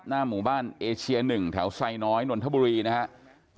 หน้าหมู่บ้านเอเชีย๑แถวไซน้อยนนทบุรีนะครับ